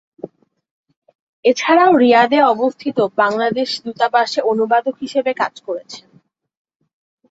এছাড়াও রিয়াদে অবস্থিত বাংলাদেশ দূতাবাসে অনুবাদক হিসেবেও কাজ করেছেন।